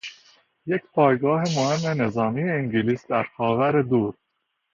یک پایگاه مهم نظامی انگلیس در خاور دور